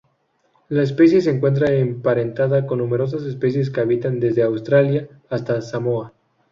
La especie se encuentra emparentada con numerosas especies que habitan desde Australia hasta Samoa.